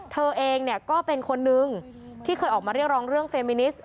เธอเองก็เป็นคนนึงที่เคยออกมาเรียกร้องเรื่องเฟมินิสต